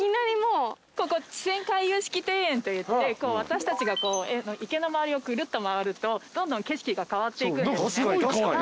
ここ池泉回遊式庭園といって私たちが池の周りをぐるっと回るとどんどん景色が変わっていくんですね。